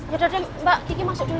yaudah mbak kiki masuk dulu ya